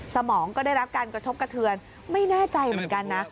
สมองก็ได้รับการกระทบกระเทือนไม่แน่ใจเหมือนกันนะ